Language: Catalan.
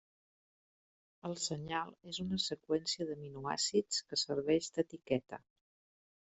El senyal és una seqüència d'aminoàcids que serveix d'etiqueta.